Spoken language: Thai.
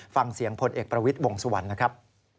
ฟังเสียงพลเอกประวิทย์วงสุวรรณนะครับ